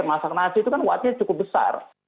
untuk masak air masak nasi itu kan watt nya cukup besar